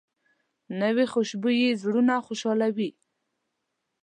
نوې خوشبويي زړونه خوشحالوي